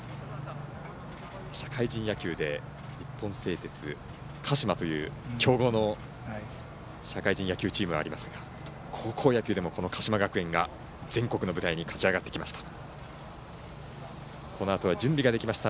社会人野球で日本製鉄鹿島という強豪の社会人野球チームがありますが高校野球でも鹿島学園が全国の舞台に勝ち上がってきました。